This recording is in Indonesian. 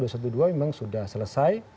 memang sudah selesai